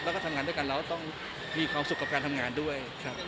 แล้วก็ทำงานด้วยกันเราก็ต้องมีความสุขกับการทำงานด้วยครับ